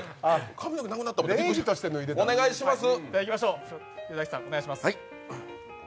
髪の毛なくなったお願いします。